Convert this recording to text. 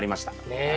ねえ。